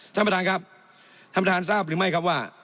ท่านประธานครับท่านประธานทราบหรือไม่ครับว่า